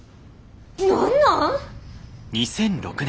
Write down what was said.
何なん！